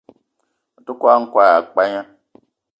Me te kwal-n'kwal ya pagna